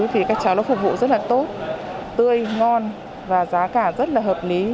thì các cháu nó phục vụ rất là tốt tươi ngon và giá cả rất là hợp lý